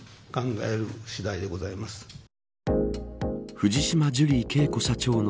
藤島ジュリー景子社長の